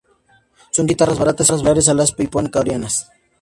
Son guitarras baratas, similares a las Epiphone coreanas.